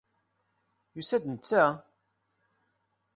Yusa-d netta?